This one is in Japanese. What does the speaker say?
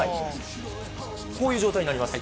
こういう状況になります。